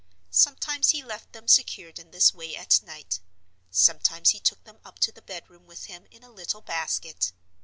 Sometimes he left them secured in this way at night; sometimes he took them up to the bedroom with him in a little basket.